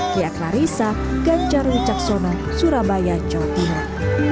kiat larissa ganjar wicaksono surabaya jawa timur